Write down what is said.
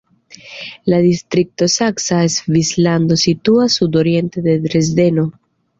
La distrikto Saksa Svislando situas sudoriente de Dresdeno.